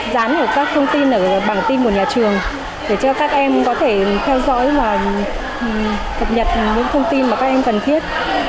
dán ở các thông tin ở bảng tin của nhà trường để cho các em có thể theo dõi và cập nhật những thông tin mà các em cần thiết